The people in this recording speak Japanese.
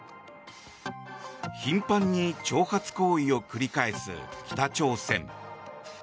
頻繁に挑発行為を繰り返す北朝鮮。